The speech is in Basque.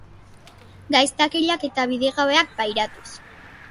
Gaiztakeriak eta bidegabeak pairatuz.